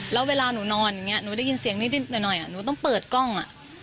แล้วเวลาหนูนอนอย่างนี้หนูได้ยินเสียงนิดหน่อยหนูต้องเปิดกล้อง